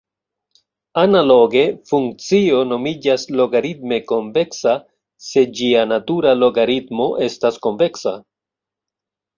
Analoge, funkcio nomiĝas logaritme konveksa se ĝia natura logaritmo estas konveksa.